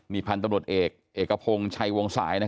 มีพรรณตำรวจเอกเอกพงศ์ชัยวงศราย